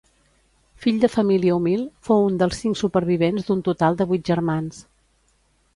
Fill de família humil, fou un dels cinc supervivents d'un total de vuit germans.